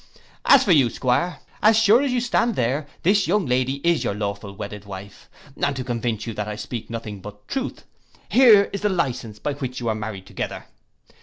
And as for you 'Squire, as sure as you stand there this young lady is your lawful wedded wife. And to convince you that I speak nothing but truth, here is the licence by which you were married together.